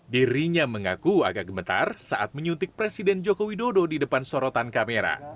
dirinya mengaku agak gemetar saat menyuntik presiden joko widodo di depan sorotan kamera